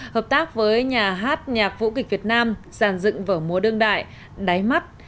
hợp tác với nhà hát nhạc vũ kịch việt nam giàn dựng vở múa đương đại đáy mắt